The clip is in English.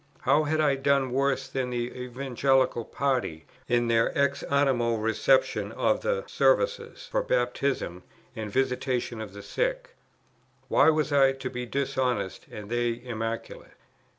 how had I done worse, than the Evangelical party in their ex animo reception of the Services for Baptism and Visitation of the Sick? Why was I to be dishonest and they immaculate?